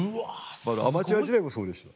アマチュア時代もそうでした。